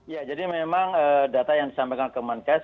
ya jadi memang data yang disampaikan ke menkes